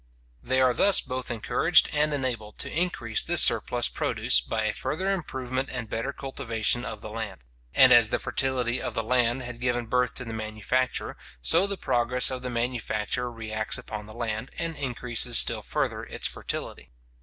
They are thus both encouraged and enabled to increase this surplus produce by a further improvement and better cultivation of the land; and as the fertility of she land had given birth to the manufacture, so the progress of the manufacture reacts upon the land, and increases still further its fertility.